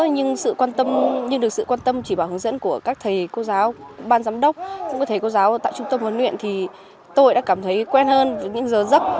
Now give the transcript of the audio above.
nhưng được sự quan tâm chỉ bằng hướng dẫn của các thầy cô giáo ban giám đốc các thầy cô giáo tại trung tâm huấn luyện thì tôi đã cảm thấy quen hơn với những giờ dấp